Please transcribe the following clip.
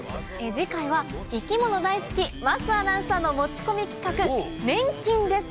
次回は生き物大好き桝アナウンサーの持ち込み企画粘菌です。